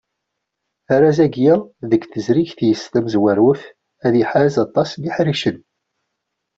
Arraz-agi, deg tezrigt-is tamezwarut, ad iḥaz aṭas n yiḥricen.